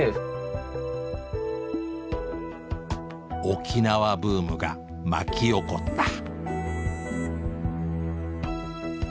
「沖縄ブーム」が巻き起こった。